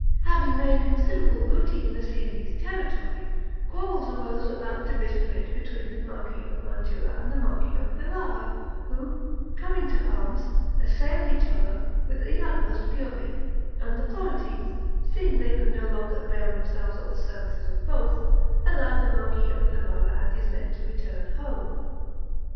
Having made considerable booty in the Siennese territory, quarrels arose about the division of it between the marquis of Mantua and the marquis of Ferrara, who, coming to arms, assailed each other with the utmost fury; and the Florentines seeing they could no longer avail themselves of the services of both, allowed the marquis of Ferrara and his men to return home.